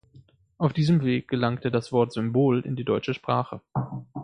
Auf diesem Weg gelangte das Wort Symbol in die deutsche Sprache.